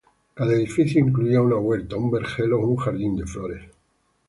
Cada edificio incluía una huerta, un vergel o un jardín de flores.